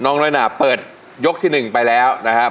น้อยหนาเปิดยกที่๑ไปแล้วนะครับ